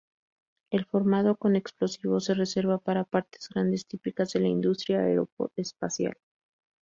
El formado con explosivos se reserva para partes grandes, típicas de la industria aeroespacial.